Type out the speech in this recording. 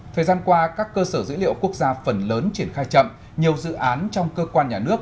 thời gian qua các cơ sở dữ liệu quốc gia phần lớn triển khai chậm nhiều dự án trong cơ quan nhà nước